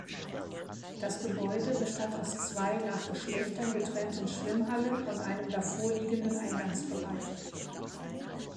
Das Gebäude bestand aus zwei nach Geschlechtern getrennten Schwimmhallen und einem davor liegenden Eingangsbereich.